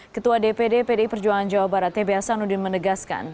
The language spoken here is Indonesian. ketua dpd pdi perjuangan jawa barat tbh sanudin menegaskan